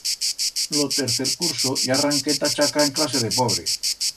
Lo tercer curso ya ranqué ta Chaca en clase de pobre.